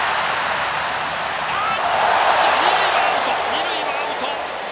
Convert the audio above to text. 二塁はアウト。